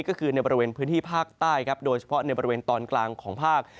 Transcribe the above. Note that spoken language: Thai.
ก็คือในบริเวณพื้นที่ภาคใต้ครับโดยเฉพาะในบริเวณตอนกลางของภาค